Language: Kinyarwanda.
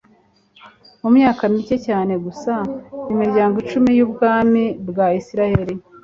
mu myaka mike cyane gusa imiryango icumi y'ubwami bwa isirayeli